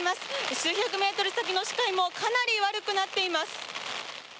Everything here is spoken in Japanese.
数百メートル先の視界もかなり悪くなっています。